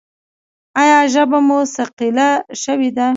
ایا ژبه مو ثقیله شوې ده؟